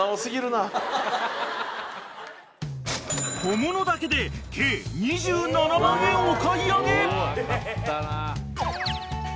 ［小物だけで計２７万円お買い上げ］